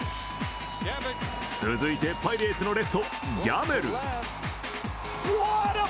続いてパイレーツのレフト、ギャメル。